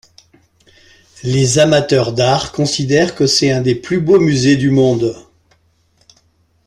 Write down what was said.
Les amateurs d'art considèrent que c'est un des plus beaux musées du monde.